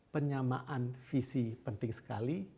penyamaan visi penting sekali